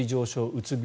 うつ病、